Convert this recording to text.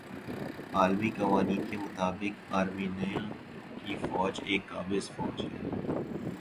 عالمی قوانین کے مطابق آرمینیا کی فوج ایک قابض فوج ھے